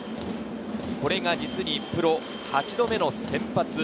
これが実にプロ８度目の先発。